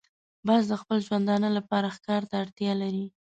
باز د خپل ژوندانه لپاره ښکار ته اړتیا لري